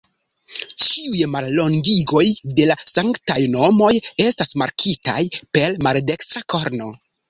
Ĉiuj mallongigoj de la Sanktaj Nomoj estas markitaj per maldekstra korno.